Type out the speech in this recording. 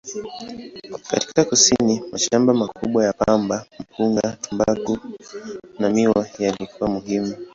Katika kusini, mashamba makubwa ya pamba, mpunga, tumbaku na miwa yalikuwa muhimu.